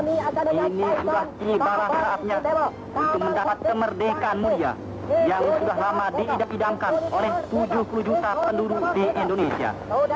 ini sudah tibalah saatnya untuk mendapat kemerdekaan mulia yang sudah lama diidap idamkan oleh tujuh puluh juta penduduk di indonesia